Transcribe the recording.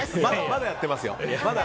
まだやってますよ。